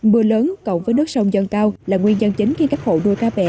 mưa lớn cộng với nước sông dân cao là nguyên nhân chính khiến các hộ nuôi cá bè